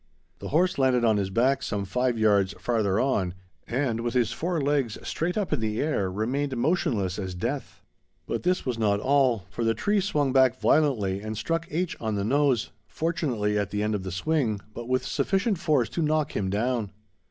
The horse landed on his back some five yards farther on, and, with his four legs straight up in the air, remained motionless as death. But this was not all, for the tree swung back violently and struck H. on the nose, fortunately at the end of the swing, but with sufficient force to knock him down.